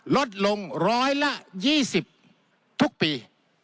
ลดลงร้อยละ๒๐ทุกปี